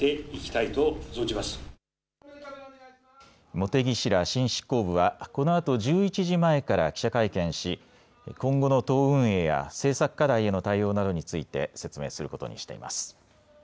茂木氏ら新執行部は、このあと１１時前から記者会見し、今後の党運営や政策課題への対応などについて、説明することにしています。